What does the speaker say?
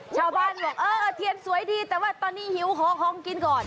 ชาวบ้านบอกเออเทียนสวยดีแต่ว่าตอนนี้หิวขอของกินก่อน